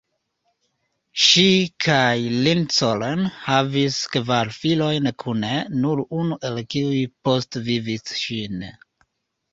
Ŝi kaj Lincoln havis kvar filojn kune, nur unu el kiuj postvivis ŝin.